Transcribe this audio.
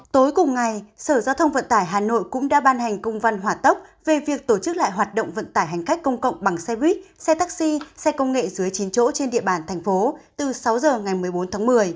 tối cùng ngày sở giao thông vận tải hà nội cũng đã ban hành công văn hỏa tốc về việc tổ chức lại hoạt động vận tải hành khách công cộng bằng xe buýt xe taxi xe công nghệ dưới chín chỗ trên địa bàn thành phố từ sáu giờ ngày một mươi bốn tháng một mươi